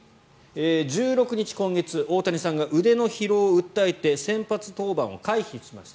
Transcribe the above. １６日、今月大谷さんが腕の疲労を訴えて先発登板を回避しました。